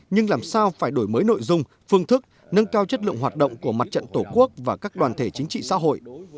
nhưng làm sao phải đổi mới nội dung phương thức nâng cao chất lượng hoạt động của mặt trận tổ quốc và các đoàn thể chính trị xã hội